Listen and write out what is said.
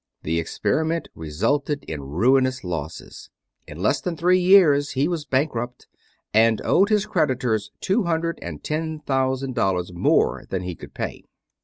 The experiment resulted in ruinous losses. In less than three years he was a bankrupt, and owed his creditors two hundred and ten thousand dollars more than he could pay.